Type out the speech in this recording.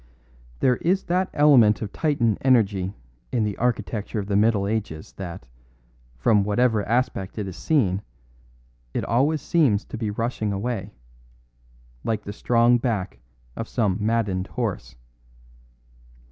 There is that element of Titan energy in the architecture of the Middle Ages that, from whatever aspect it be seen, it always seems to be rushing away, like the strong back of some maddened horse.